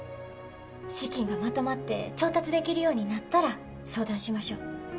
資金がまとまって調達できるようになったら相談しましょう。